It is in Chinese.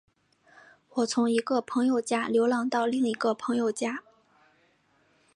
我从一个朋友家流浪到另一个朋友家。